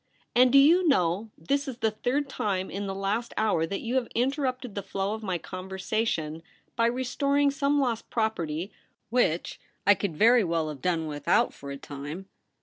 And do you know this is the third time in the last hour that you have interrupted the flow of my conversation by restoring some lost property which I could very well have done without for a time